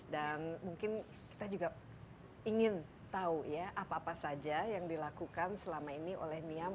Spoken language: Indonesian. dan mungkin kita juga ingin tahu ya apa apa saja yang dilakukan selama ini oleh niam